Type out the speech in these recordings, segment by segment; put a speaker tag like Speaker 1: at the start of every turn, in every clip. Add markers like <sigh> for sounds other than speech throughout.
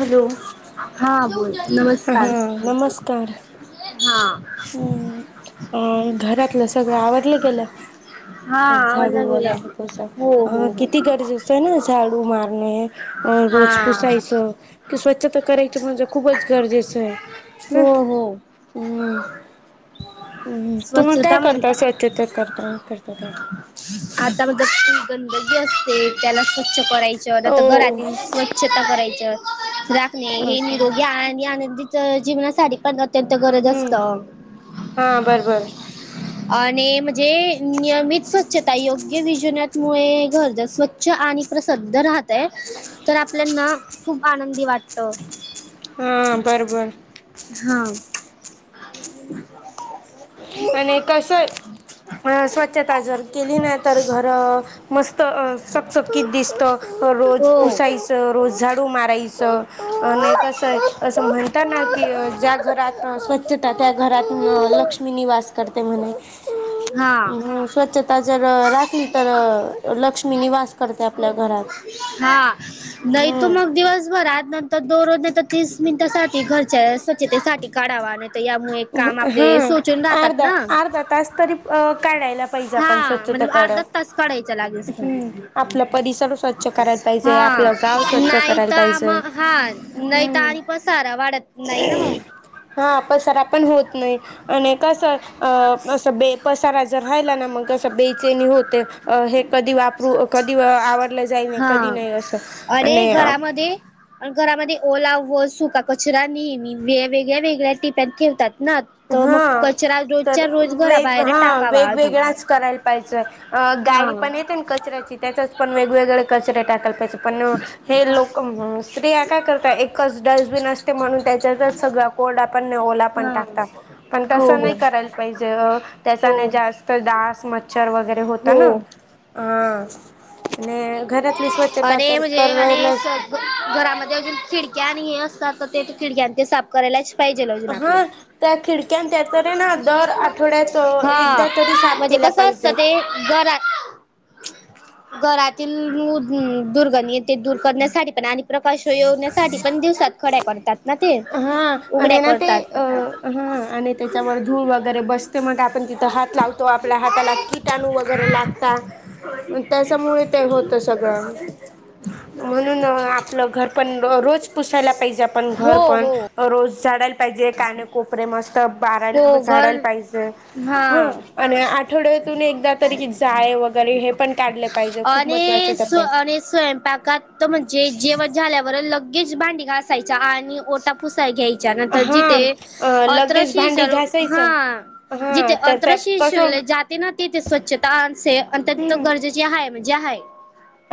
Speaker 1: Hello.
Speaker 2: हा बोल नमस्कार
Speaker 1: हा नमस्कार.
Speaker 2: हा
Speaker 1: हम्म. अ घरातलं सगळं आवरलं गेलं?
Speaker 2: हा
Speaker 1: झाडू
Speaker 2: आवडला गेला
Speaker 1: वगैरे पोचा.
Speaker 2: हो हो
Speaker 1: अं
Speaker 2: हो
Speaker 1: किती गरजेचं हाय नाई झाडू मारणे अं
Speaker 2: हा
Speaker 1: रोज पुसायच कि स्वच्छता करायची म्हणजे खूपच गरजेचं हाय.
Speaker 2: हो, हो.
Speaker 1: हम्म. हम्म. तुम्ही काय
Speaker 2: स्वच्छता म्हण
Speaker 1: करता, स्व्छता करता करता तेव्हा?
Speaker 2: आता <unintelligible> तू गंधगी असते त्याला स्वच्छ करायचं, नाही तर
Speaker 1: हो
Speaker 2: घरातील स्वच्छता करायचं. राखणे हे
Speaker 1: असं
Speaker 2: निरोगी आणि आनंदीच जीवनासाठी पण अत्यंत गरज
Speaker 1: हम्म
Speaker 2: असतं.
Speaker 1: हा, बर बर.
Speaker 2: आणि म्हणजे नियमित स्वच्छता योग्य विजूनत मुळे घर जर स्वच्छ आणि प्रसिद्ध राहतंय, तर आपल्याला ना खूप आनंदी वा वाटतं.
Speaker 1: हा, बर बर.
Speaker 2: हा.
Speaker 1: आणि कसं. अ स्वच्छता जर केली नाही तर घर मस्त. तर चकचककीत दिसतं रोज
Speaker 2: हो
Speaker 1: पुसायचं रोज झाडू मारायचं कस असं म्हणत ना की ज्या घरात स्वचछता त्या घरात लक्ष. निवास करते म्हणे. हा स्वच्छता जर राखली तर लक्ष्मी. निवास करते आपल्या घर
Speaker 2: हा नाही तू मग
Speaker 1: हम्म
Speaker 2: दिवसभरात नंत तर दोनरोज नाही तर तीस मिनिटांसाठी घरच्या स्वच्छतेसाठी काढावा. यामुळे काम
Speaker 1: हा
Speaker 2: आपले सोचून राहतात
Speaker 1: अर्धा
Speaker 2: ना
Speaker 1: अर्धा तास तरी काढायला पाहिजे
Speaker 2: हा
Speaker 1: आपण
Speaker 2: मण
Speaker 1: स्वच्छतेकडे
Speaker 2: अर्धच तास काढायच लागेस.
Speaker 1: हम्म आपला परिसर स्वच्छ करायला पाहिजे
Speaker 2: हा
Speaker 1: आपलं गाव स्वच्छ
Speaker 2: नाही
Speaker 1: करायला
Speaker 2: तर आम
Speaker 1: पाहिजे
Speaker 2: हा नाही तर
Speaker 1: हम्म
Speaker 2: आणि पसारा वाढत नाही ना मग
Speaker 1: हा पसरा पण होत नाही अनेकस. अ असं बे पसारा जर राहिला ना मग असं बेचेणी होते हे कधी वापरू. कधी आवडला जाई
Speaker 2: हा
Speaker 1: कधी नाहीय अससो
Speaker 2: अरे
Speaker 1: आणि.
Speaker 2: घरामध्ये घरामध्ये. ओला व सुका कचरा नेहमी वे वेगळ्या वेगळ्या टिप्या ठेवतात. ना तर मग कचरा रो.
Speaker 1: वे ह वेगवेगळाच करायला पाहिज
Speaker 2: हा
Speaker 1: गाडी पण येते कचऱ्याची. पण वेगवेगळे कचरा टाक. पण हे
Speaker 2: हा
Speaker 1: लोक स्त्रिया काय करत एकच डस्टबन असते म्हणून त्याच्यात सगळ. कोरडा पण ओला पण
Speaker 2: हा
Speaker 1: टाक. पण
Speaker 2: हो
Speaker 1: तस
Speaker 2: हो
Speaker 1: नाही करायला पाहिजे
Speaker 2: हो
Speaker 1: त्याचाने जास्त दास मच्छर वगैरे होतात.
Speaker 2: हो.
Speaker 1: ह्.
Speaker 2: अरे
Speaker 1: तर
Speaker 2: म्हणजे आणि
Speaker 1: करायलाच
Speaker 2: स घरामध्ये अजून खिडकी आणि हे असतात तर ते खिडक्या ते साफ करायलाच. पाहिजे लज आपले
Speaker 1: हा त्या खिडक्यान त्या तर आहे ना दर आठवड्यात
Speaker 2: हा
Speaker 1: एकदा तरी साफ
Speaker 2: म्हजे.
Speaker 1: केल्या
Speaker 2: कसं असत
Speaker 1: पाहिजे
Speaker 2: ते घरात. घरातील दुर्गणी ते दूर करण्यासाठी पण आणि. प्रकाश येवण्यासाठी पण दिवसात खड्या करतात ना ते उघड्या करतात.
Speaker 1: ह आणि त्याच्यावर धूळ वगैरे बसते मग आपण तिथं हात लावतो आपल्या हाताला किटाणू वगैरे लागतो. आता.
Speaker 2: होय. <inaudible>
Speaker 1: ते होत सगळं म्हणून. घर पण रोज पुसायला पाहिजे आपण
Speaker 2: हो
Speaker 1: घर पण
Speaker 2: हो
Speaker 1: रोज झाडाय. जे का कोपरे मस्त बारा
Speaker 2: हो घर
Speaker 1: झाडायला पाहिजे ह
Speaker 2: हा
Speaker 1: आणि आठवड. एकदा तरी जाळे वगैरे हे पण काढले पाहिजे खूप महत्त्वाचे
Speaker 2: आणि
Speaker 1: त्या
Speaker 2: स्व
Speaker 1: पण.
Speaker 2: आणि स्वयंपाकात म्हणजे जेवण झाल्यावर लगेच भांडी घासायच्या आणि ओटा पुसाय घ्यायचा. नंतर
Speaker 1: हा
Speaker 2: जिथे
Speaker 1: लगेच
Speaker 2: अत्रशी
Speaker 1: भांडी
Speaker 2: सर्व
Speaker 1: घासायचं
Speaker 2: हा.
Speaker 1: हा
Speaker 2: जिथे
Speaker 1: तर त्या
Speaker 2: अंतरशिष
Speaker 1: कसं
Speaker 2: जाते ना तिथे स्वच्छता अत्यंत
Speaker 1: हम्म
Speaker 2: गरजेचे आहे म्हणजे आहे.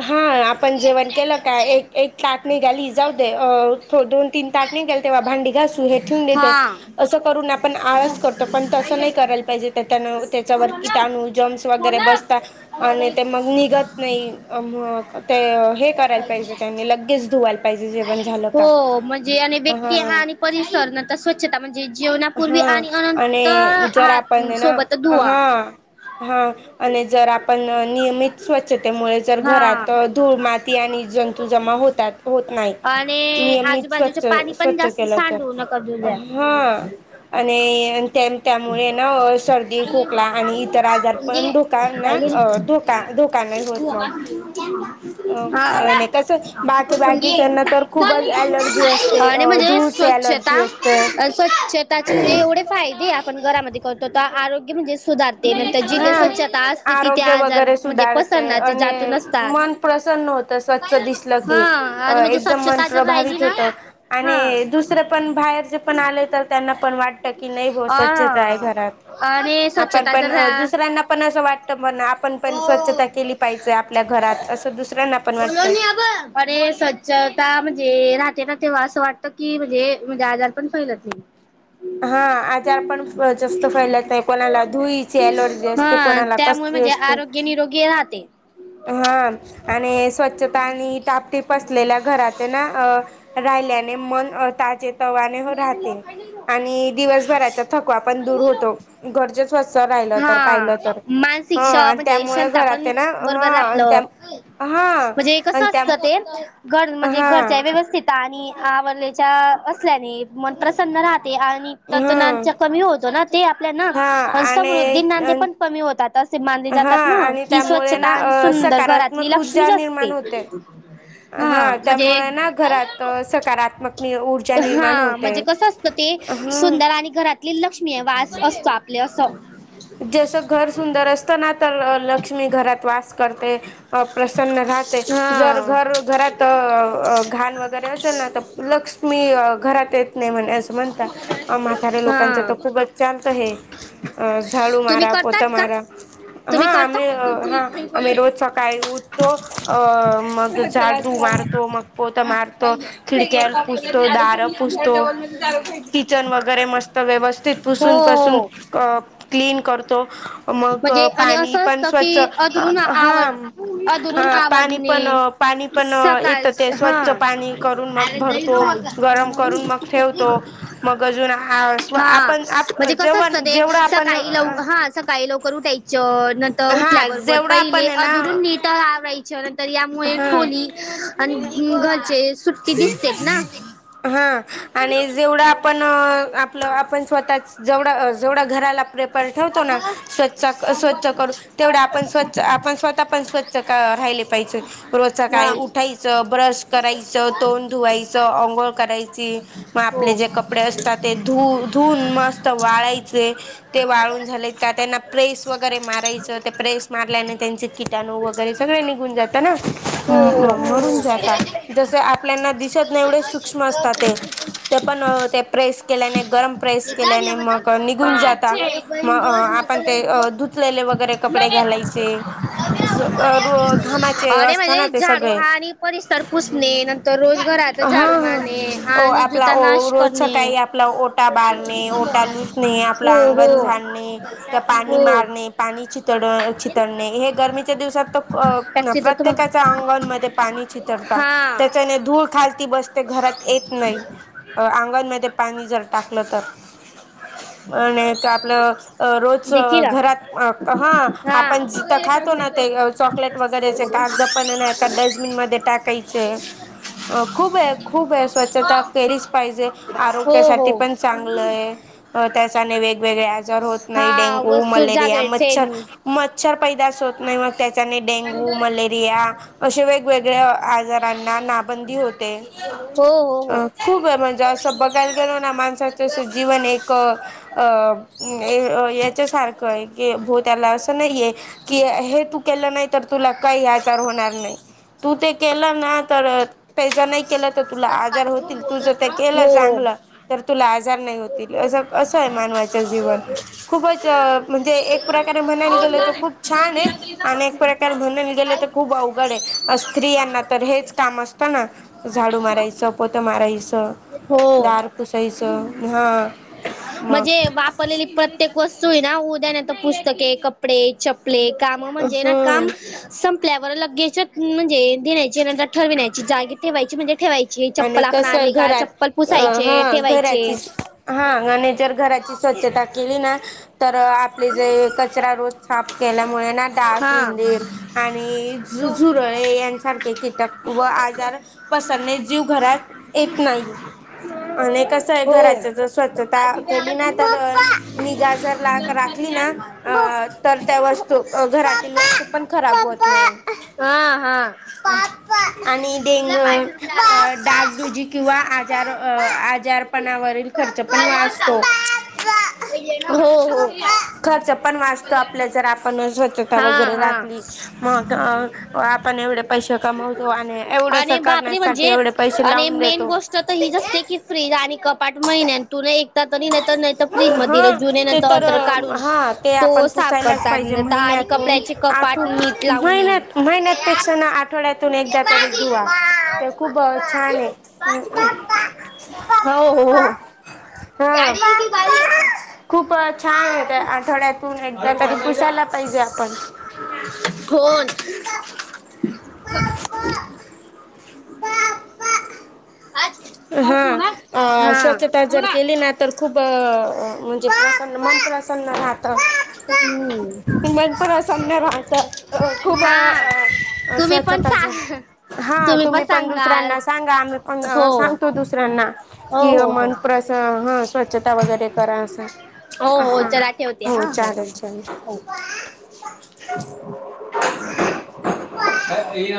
Speaker 1: हा आपण जेवण केलं काय एक लाट निघाली जाऊ देथ. तीन ताटने गेल तेव्हा भांडी घासू हे ठेवून देत
Speaker 2: हा.
Speaker 1: असं करून आपण आळस करतो पण तसं नाही कर. पाहिजे त्या. त्याच्यावर किटाणू जम्स वगैरे बसतात आणि ते मग निघत नाही. अ ते हे करायला पाहिजे त्यांनी लगेच धुवायला पाहिजे जेवण झालं का.
Speaker 2: हो म्हणजे व्यक्ती
Speaker 1: हा
Speaker 2: आणि परिसर नंतर स्वच्छता म्हणजे जीवनापूर्वी आणि अनंत हात. सोबतच धु.
Speaker 1: हा हा आणि जर आपण नियमित स्वच्छतेमुळे. तर
Speaker 2: हा
Speaker 1: घरात घुळ माती आणि जंतू जमा होतात होत
Speaker 2: आणि
Speaker 1: नाहीत नियमित
Speaker 2: आजूबाजूचे
Speaker 1: स्वच्छत.
Speaker 2: पाणी पण
Speaker 1: स्वच्छ
Speaker 2: जास्त
Speaker 1: केलं तर
Speaker 2: सांडू नका देऊ द्या.
Speaker 1: ह आणि त्यांच. त्यामुळे ना
Speaker 2: हा.
Speaker 1: सर्दी खोकला आणि इतर आजार पण धोकाना धोका धोका. नाही होत मग.
Speaker 2: <unintelligible>
Speaker 1: अ आणि कसं बाकी बाकीच्यांना तर खूपच ॲलर्जी असते
Speaker 2: आणि म्हणजे
Speaker 1: धूळचे ॲलर्जी
Speaker 2: स्वच्छता
Speaker 1: असते
Speaker 2: स्वच्छताचे म्हणजे एवढे फायदे. आपण घरामध्ये करतो आरोग्य म्हणजे सुधारते नंतर
Speaker 1: हा
Speaker 2: जिथे स्वच्छता असते तिथे
Speaker 1: आरोग्य
Speaker 2: आजार
Speaker 1: वगैरे
Speaker 2: म्हणजे
Speaker 1: सुधारते
Speaker 2: पसरणार ते
Speaker 1: आणि
Speaker 2: जातून असतात.
Speaker 1: मन प्रस स्वच्छ दिसल की
Speaker 2: हा आणि म्हणजे
Speaker 1: एकदम मन.
Speaker 2: स्वच्छता जर राहिली
Speaker 1: प्रभावित
Speaker 2: ना
Speaker 1: होत
Speaker 2: हा
Speaker 1: आणि दुसर पण बाहेर जे पण आले तर त्यांना पण वाटत की नाही हो स्वच्छता आहे
Speaker 2: हा
Speaker 1: घरात.
Speaker 2: आणि
Speaker 1: आपण
Speaker 2: स्वच्छता
Speaker 1: पण
Speaker 2: जर
Speaker 1: दुसऱ्यांना पण असं वाटत म्हण आपण पण स्वच्छता केली पाहिजे आपल्या घरात. असं दुसऱ्यांना पण
Speaker 2: बोल अ
Speaker 1: वाटतं.
Speaker 2: ब अरे स्वच्छता म्हणजे रा <unintelligible> तेना तेव्हा असं वाटत की म्हणजे म्हणजे आजार पण फैलत नाही.
Speaker 1: हा. आजार पण जास्त फैलत नाही कोणाला धुळीची अलर्जी असते
Speaker 2: हा
Speaker 1: कोणाला
Speaker 2: त्यामुळे
Speaker 1: कसली
Speaker 2: म्हणजे
Speaker 1: असते.
Speaker 2: आरोग्य निरोगी आहात.
Speaker 1: हा आणि स्वच्छता आणि टापटीप असलेल्या घरात ना अ राहिल्याने मन ताजे तवाने राहते आणि दिवसभराचा थकवा पण दूर होतो घरचे स्वच्छ रा पाहिलं
Speaker 2: हा
Speaker 1: तर
Speaker 2: मानसिक श म्हणजे
Speaker 1: त्यामुळे
Speaker 2: क्षमता
Speaker 1: घरात
Speaker 2: पण
Speaker 1: ना
Speaker 2: बरोबर
Speaker 1: हा त्या
Speaker 2: आपलं
Speaker 1: हा
Speaker 2: म्हणजे
Speaker 1: आणि
Speaker 2: कसं
Speaker 1: त्या
Speaker 2: असतं ते घर
Speaker 1: हा
Speaker 2: म्हणजे घरच्या
Speaker 1: हा
Speaker 2: व्यवस्थित आणि आवरलेच्या असल्याने मन प्रसन्न राहत. आणि त कमी होतो ना ते आपल्या ना
Speaker 1: हा आणि
Speaker 2: समृद्धीनाे पण कमी होतात. असे मानले
Speaker 1: हा
Speaker 2: जातात ना
Speaker 1: आणि
Speaker 2: कि
Speaker 1: त्यामुळे
Speaker 2: स्वच्छता
Speaker 1: ना
Speaker 2: आणि
Speaker 1: अ
Speaker 2: सुंदर घरातली
Speaker 1: सकारात्मक ऊर्जा
Speaker 2: लक्ष्मीच
Speaker 1: निर्माण
Speaker 2: असते.
Speaker 1: होते. हा त्यामुळे ना घरात सकारात्मक ऊ
Speaker 2: हा म्हणजे कसं असतं ते
Speaker 1: हा
Speaker 2: सुंदर आणि घरातली लक्ष्मी आहे वास असतो आपले. यासम <unintelligible>
Speaker 1: जस घर सुंदर असत ना तर लक्ष्मी घरात वास करते प्रसन्न जर
Speaker 2: हा
Speaker 1: घर घरात घाण वगैरे असेल ना लक्ष मी घरात येत नाही म्हणे असं म्हणता म्हाताऱ्या लोकांच तर
Speaker 2: हा
Speaker 1: खूपच चालतं हे अ झाडू
Speaker 2: तुम्ही
Speaker 1: मरा
Speaker 2: करतात
Speaker 1: पोछा
Speaker 2: का
Speaker 1: मरा. हा
Speaker 2: तुम्ही
Speaker 1: आमही हा आम्ही
Speaker 2: करता
Speaker 1: रोज सकाळी उठतो अ मग झाडू
Speaker 2: हो
Speaker 1: मारतो मग पोछा मारतो खिडक्याला पुस तो दारात पुसतो किचन वगैरे मस्त व्यवस्थित पुसूनपसून
Speaker 2: हो
Speaker 1: अअ क्लीन करतो मग
Speaker 2: म्हणजे आणि
Speaker 1: पाणी
Speaker 2: असं
Speaker 1: पण
Speaker 2: असतं
Speaker 1: स्वच्छ
Speaker 2: की अधरून
Speaker 1: हा
Speaker 2: आवड अधरून
Speaker 1: हा पाणी पण
Speaker 2: आवडणे
Speaker 1: पाणी पण
Speaker 2: सकाळ
Speaker 1: येतं ते
Speaker 2: हा
Speaker 1: स्वच्छ पाणी करून मग भरतो. गरम करून मग ठेवतो मग अजून हा आ आपण जेव जेवढ आपण
Speaker 2: ई लाव हा स <unintelligible> काही लवकर उठायचं नंतर
Speaker 1: हा
Speaker 2: उठल्याबरोबर
Speaker 1: जेवढं
Speaker 2: पहिले
Speaker 1: आपण आहे ना
Speaker 2: अधुरून नीट आवरायच. तर यामुळे
Speaker 1: हा
Speaker 2: खोली आणि घरचे सुट्टी दिसतेत ना.
Speaker 1: हा् आणि जेवढ आपण आप आपण स्वतः जेव जेवढ घराला ठवतो ना स्व स्वच्छ करू तेवढ
Speaker 2: पाच
Speaker 1: आपण
Speaker 2: पेपर
Speaker 1: स्वच्छ आपण स्वतः पण स्वच्छ राहिले पाहिजे रोज का
Speaker 2: हा
Speaker 1: उठायचं ब्रश करायचं. तोंड धुवायच अंघोळ करायची मग
Speaker 2: हो
Speaker 1: आपले जे कपडे असतात ते धुऊ धुऊन मस्त. ते वाळायचे ते वाळून झालेत का त्यांना. प्रेस वगैरे मारायचं ते प्रेस मारल्याने त्यांचे किटाणू वगैरे सगळे निघून जातं ना.
Speaker 2: हो
Speaker 1: निघून जातात जस आ आपल्याना दिसत नाही एवढे सूक्ष्म असतात ते ते पण प्रेस केल्याने गरम प्रेस केल्या मग निघून जाता. मग
Speaker 2: बंदो
Speaker 1: आपण
Speaker 2: म
Speaker 1: ते धुतलेले वगैरे कपडे घालायचे रो घामाचे
Speaker 2: अरे
Speaker 1: असत ना
Speaker 2: म्हणजे
Speaker 1: ते
Speaker 2: झाडू
Speaker 1: सगळे
Speaker 2: आणि परिसर पुसणे नंतर रोज घरात
Speaker 1: हा
Speaker 2: झाडू मारणे
Speaker 1: ह
Speaker 2: आणि
Speaker 1: आपला
Speaker 2: जुता नाश
Speaker 1: रोज स
Speaker 2: करणे
Speaker 1: काळी आपला ओटा बारणे ओटा आप
Speaker 2: हो हो
Speaker 1: आंगण झाड पाणी
Speaker 2: हो
Speaker 1: मारणे पाणी चितळ चितळणे हे गरमीच्या दिवसात तर
Speaker 2: टॅक्सी जातो मग
Speaker 1: प्रत्येकाचा पाणी चित
Speaker 2: हा
Speaker 1: त्या बसते घरात येत नाही अंगणमध्ये पाणी जर टाकलं तर
Speaker 2: ह
Speaker 1: आपलं रोज
Speaker 2: देखील
Speaker 1: घरात हा आपण जिथं खातो ना ते चॉकलेट वगैरे कागद प डबन म टाकायचे खूप खूप स्वच्छता केलीच पाहिजे
Speaker 2: हो हो
Speaker 1: आरोग्यासाठी पण चांगलं आहे त्यासाठी वेगवेगळे आजार होत नाही
Speaker 2: हा
Speaker 1: डेंगू
Speaker 2: वस्तू
Speaker 1: मलेरिया
Speaker 2: जागे
Speaker 1: मच्र
Speaker 2: फेडणे
Speaker 1: मच्छर पै नाही मग त्या डेंगू मलेरिया अे वेगवेगळ्या आजारां बंदी होते
Speaker 2: हो हो
Speaker 1: अ खूप म्हणजे असं बघायला गेलो ना माणसाचं जीवन एक अ याच्या सारखं आहे की भ त्याला असं नाहीे की हे तू केलं नाही तर तुला काही आजार होणार नाही तू ते केलं ना तर प ज नाही केलं तर तुला आजार होतील तू जर त्या केलं
Speaker 2: हो
Speaker 1: चांगलं तर तुला आजार नाही होतील अस आहे मानवाच जीवन खूपच म्हणजे एक प्रकारे म्हणायला
Speaker 2: हो हो
Speaker 1: गेलं तर खूप छान
Speaker 2: हो
Speaker 1: प्रकार म्ह गे तर खूप अवघड आहे स्त्रियांना तर हेच काम असत ना झाडू मारायचं पोत मारायचं
Speaker 2: हो
Speaker 1: दार पुोसईस हा मग
Speaker 2: म्हणजे वापरलेली प्रत्येक त ना उद्या न तर पुस्तके कपडे चपले काम म्हणजे ना काम
Speaker 1: हम्म
Speaker 2: सं आपल्यावर लगेच म्हणजे देण्यायची नंतर ठरविण्यायची जागी ठेवायची म्हणजे ठेवायची
Speaker 1: आणि
Speaker 2: चप्पल आपण
Speaker 1: कस
Speaker 2: आले का
Speaker 1: घरात
Speaker 2: चप्पल
Speaker 1: ह
Speaker 2: पुसायचे ठेवायचे
Speaker 1: घराची हा मनेजर घरा स्व केली आप ज क रोज केल्यामुळे ु
Speaker 2: हा
Speaker 1: यांार कीटक बाज पसरने जीव घरात येत नाही आणि कस आहे
Speaker 2: हो
Speaker 1: घराच जर स्वच्छता केली नाही तर निगा जर राखली अ तर त्या वत घरातील वस्तू पण खराब होत नाही
Speaker 2: हा हा
Speaker 1: ंग डागडुजी किंवा आजार आजारपणावरील खर्च पण वास्तो
Speaker 2: हो हो
Speaker 1: खर्च पण वाचतो आपल्या जर आपण स्वच्छता
Speaker 2: हा
Speaker 1: वगैरे
Speaker 2: हा
Speaker 1: राखली मग आपण एवढे पैसे कमावतो आणि एवढस
Speaker 2: आणि भाकरी
Speaker 1: करण्यासाठी
Speaker 2: म्हणजे
Speaker 1: एवढे पैसे
Speaker 2: आणि
Speaker 1: लावून
Speaker 2: मेन
Speaker 1: देतो.
Speaker 2: गोष्ट तर हीच असते की फ्रीज आणि कपाट महिन्या तुला एक नाहीर नाहीतर फ्रीज म
Speaker 1: हा
Speaker 2: जुने
Speaker 1: ते
Speaker 2: नर
Speaker 1: तर
Speaker 2: अत्र काढून
Speaker 1: हा ते
Speaker 2: तो
Speaker 1: आपण
Speaker 2: साफ
Speaker 1: पुसायलाच पाहिजे
Speaker 2: करतात आणि
Speaker 1: महिन्यातून
Speaker 2: कपड्याचे
Speaker 1: आठव
Speaker 2: कपाट नीठ लाव न
Speaker 1: महिन्यात
Speaker 2: ये
Speaker 1: धु खूप छान आहे
Speaker 2: हो हो हो हो
Speaker 1: हा
Speaker 2: गडी की बारी
Speaker 1: खूप छान आहे त्या आठवड्यातून एकदा तरी पुसायला पाहिजे आपण
Speaker 2: फन
Speaker 1: हा अ
Speaker 2: हा
Speaker 1: स्वच्छता जर केली तर खूप म्हणजे प्रन्न मन प्र्रसन्न
Speaker 2: हम्म
Speaker 1: मनपरा सम्यार वाहत खूप
Speaker 2: हा
Speaker 1: अ
Speaker 2: तुम्ही
Speaker 1: असं
Speaker 2: पण
Speaker 1: पाझल
Speaker 2: सांग
Speaker 1: हा तुम्ही पण दुसऱ्यांना सांगा आम्ही पण
Speaker 2: हो.
Speaker 1: सांगतो दुसऱ्यांना
Speaker 2: हो
Speaker 1: कि
Speaker 2: हो हो.
Speaker 1: मनप ह हा स्वच्छता वगैरे करा
Speaker 2: हो हो चला
Speaker 1: अस
Speaker 2: ठेवते हा हो हो <unintelligible>